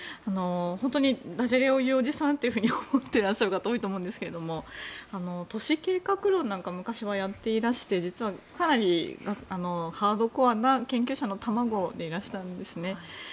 本当にだじゃれを言うおじさんと思ってらっしゃる方がいると思うんですが都市計画論なんか昔はやっていらして実はかなり、ハードコアな研究者の卵でいらしたんですね。